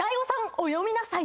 お詠みなさい。